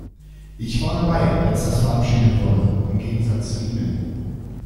Ich war dabei, als das verabschiedet wurde, im Gegensatz zu Ihnen!